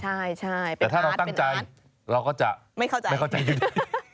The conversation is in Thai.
ใช่แต่ถ้าเราตั้งใจเราก็จะไม่เข้าใจอยู่ดี